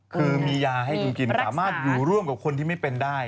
คือมียาให้คุณกินสามารถอยู่ร่วมกับคนที่ไม่เป็นได้